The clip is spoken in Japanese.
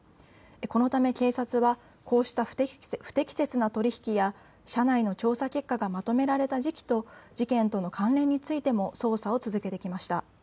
このため警察はこうした不適切な取り引きや社内の調査結果がまとめられた時期と事件との関連についても捜査を続けてきました。